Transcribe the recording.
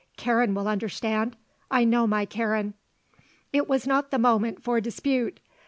Karen will understand. I know my Karen." It was not the moment for dispute.